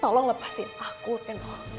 tolong lepasin aku n o